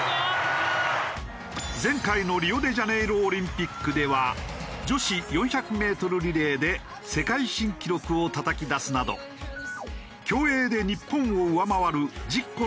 前回のリオデジャネイロオリンピックでは女子４００メートルリレーで世界新記録をたたき出すなど競泳で日本を上回る１０個のメダルを獲得。